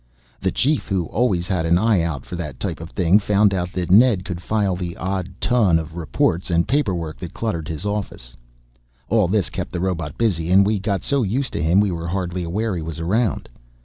The Chief, who always has an eye out for that type of thing, found out that Ned could file the odd ton of reports and paperwork that cluttered his office. All this kept the robot busy, and we got so used to him we were hardly aware he was around.